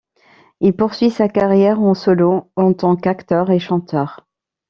Il poursuit sa carrière en solo en tant qu'acteur et chanteur.